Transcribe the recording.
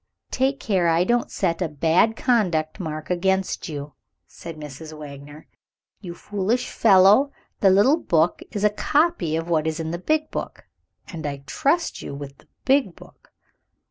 "Take care I don't set a bad conduct mark against you!" said Mrs. Wagner. "You foolish fellow, the little book is a copy of what is in the big book and I trust you with the big book."